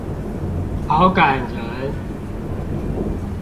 好感人